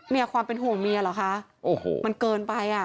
เนี่ยความเป็นห่วงเมียเหรอคะโอ้โหมันเกินไปอ่ะ